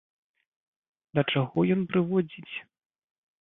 Да чаго ён прыводзіць?